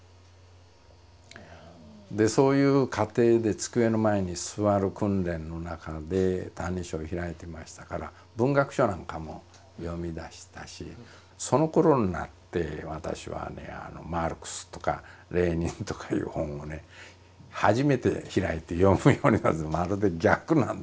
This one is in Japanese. でそういう過程で机の前に座る訓練の中で「歎異抄」開いてましたから文学書なんかも読みだしたしそのころになって私はねマルクスとかレーニンとかいう本をね初めて開いて読むようにまるで逆なんですね。